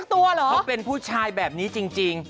เขาเป็นผู้ชายแบบนี้จริง